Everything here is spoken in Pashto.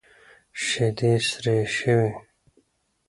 شيدې سرې شوې.